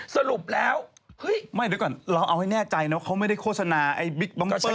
สรุปแล้วเฮ้ยไม่เดี๋ยวก่อนเราเอาให้แน่ใจนะว่าเขาไม่ได้โฆษณาไอ้บิ๊กบังเกอร์